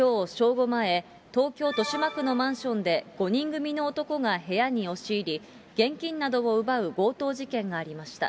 午前、東京・豊島区のマンションで、５人組の男が部屋に押し入り、現金などを奪う強盗事件がありました。